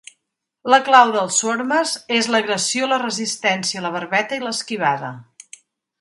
La clau dels "swarmers" és l'agressió, la resistència, la barbeta i l'esquivada.